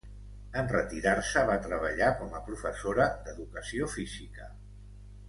En retirar-se va treballar com a professora d'educació física.